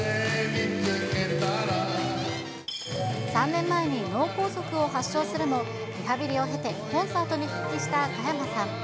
３年前に脳梗塞を発症するも、リハビリを経て、コンサートに復帰した加山さん。